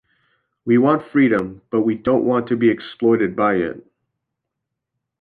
We want freedom, but we don't want to be exploited by it.